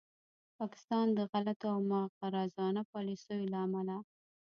پاکستان د غلطو او مغرضانه پالیسیو له امله